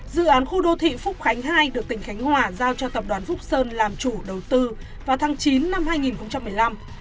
dự án khu đô thị phúc khánh hai được tỉnh khánh hòa giao cho tập đoàn phúc sơn làm chủ đầu tư vào tháng chín năm hai nghìn một mươi năm